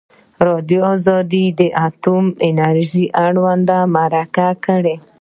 ازادي راډیو د اټومي انرژي اړوند مرکې کړي.